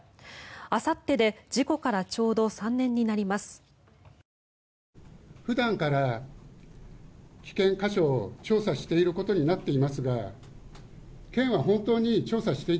あさってで事故からちょうど３年になります。